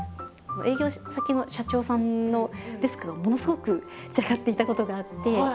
営業先の社長さんのデスクがものすごく散らかっていたことがあって。